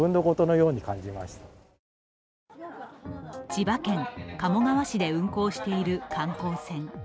千葉県鴨川市で運航している観光船。